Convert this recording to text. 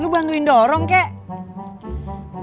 lo bantuin dorong kek